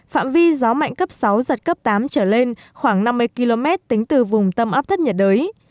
phạm vi gió mạnh cấp sáu giật cấp tám trở lên khoảng năm mươi km tính từ vùng tâm áp thấp nhiệt đới